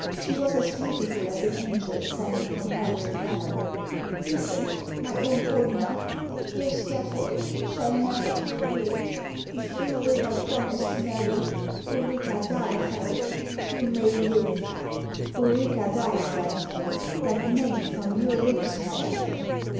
She was as beauti ful as an angel ascending from hell to heaven. "Listen, my own Ordener: your scaffold shall never be reared. If you will but promise to marry Ulrica d'Ahle feld, you may live." 462 IIAXS OF ICELAND. " Ulrica d'Ahlef'eld ! Tliat name from your lips, my Ethel